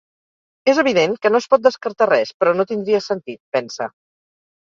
És evident que no es pot descartar res, però no tindria sentit, pensa.